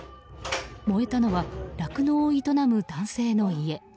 燃えたのは酪農を営む男性の家。